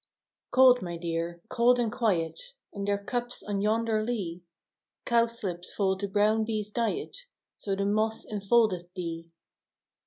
/^QLD, my dear, — cold and quiet. In their cups on yonder lea, Cowslips fold the brown bee's diet; So the moss enfoldeth thee.